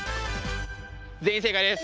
全員正解です！